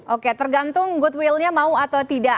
oke tergantung goodwill nya mau atau tidak